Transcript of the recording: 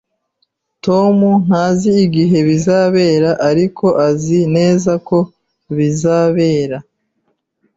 Tom ntazi igihe bizabera, ariko azi neza ko bizabera